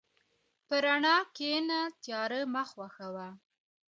په رڼا کښېنه، تیاره مه خوښه وه.